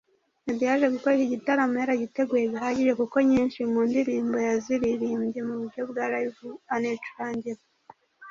Meddy yaje gukora iki gitaramo yaragiteguye bihagije kuko nyinshi mu ndirimbo yaziririmbye mu buryo bwa Live anicurangira